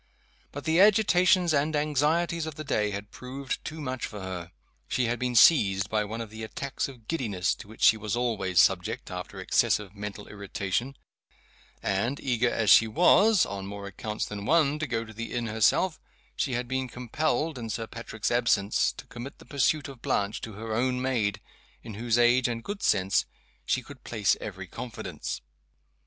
But the agitations and anxieties of the day had proved too much for her. She had been seized by one of the attacks of giddiness to which she was always subject after excessive mental irritation; and, eager as she was (on more accounts than one) to go to the inn herself, she had been compelled, in Sir Patrick's absence, to commit the pursuit of Blanche to her own maid, in whose age and good sense she could place every confidence.